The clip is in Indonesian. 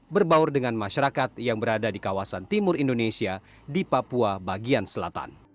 berbaur dengan masyarakat yang berada di kawasan timur indonesia di papua bagian selatan